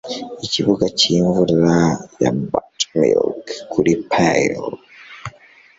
ikibuga cyimvura ya buttermilk kuri pail